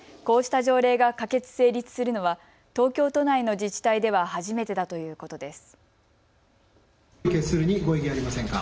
こうした条例が可決・成立するのは東京都内の自治体では初めてだということです。